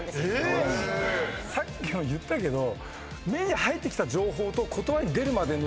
さっきも言ったけど。